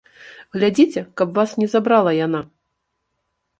Глядзіце, каб вас не забрала яна!